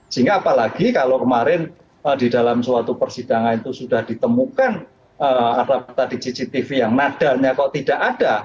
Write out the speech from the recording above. sehingga apalagi kalau kemarin di dalam suatu persidangan itu sudah ditemukan ada tadi cctv yang nadanya kok tidak ada